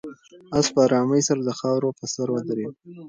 آس په آرامۍ سره د خاورو په سر ودرېد.